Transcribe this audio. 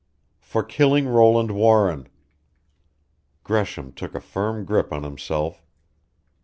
"For killing Roland Warren." Gresham took a firm grip on himself.